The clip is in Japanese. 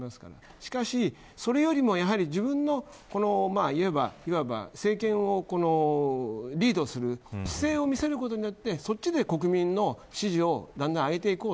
しかし、それよりも、やはり自分の、いわば政権をリードする姿勢を見せることによってそっちで国民の支持をだんだん上げていこう。